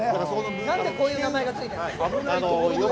なんでこういう名前がついたんですか？